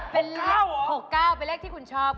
๖๙เป็นเลขที่คุณชอบ